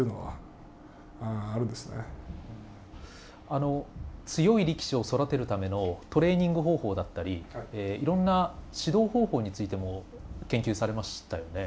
あの強い力士を育てるためのトレーニング方法だったりいろんな指導方法についても研究されましたよね。